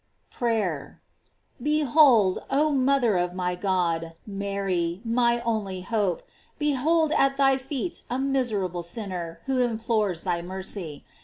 PRAYER. Behold, oh mother of my God, Mary, my only hope, behold at thy feet a miserable sinner, who implores thy mercy.